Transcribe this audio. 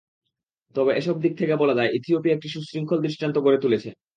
তবে এসব দিক থেকে বলা যায়, ইথিওপিয়া একটা সুশৃঙ্খল দৃষ্টান্ত গড়ে তুলেছে।